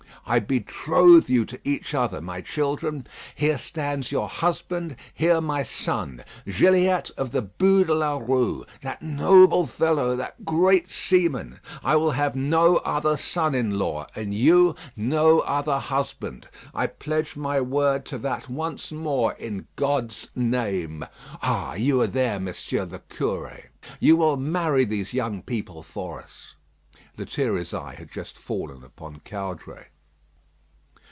I betroth you to each other, my children: here stands your husband, here my son, Gilliatt of the Bû de la Rue, that noble fellow, that great seaman; I will have no other son in law, and you no other husband. I pledge my word to that once more in God's name. Ah! you are there, Monsieur the Curé. You will marry these young people for us." Lethierry's eye had just fallen upon Caudray.